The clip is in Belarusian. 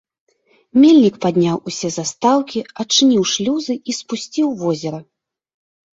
Мельнік падняў усе застаўкі, адчыніў шлюзы і спусціў возера.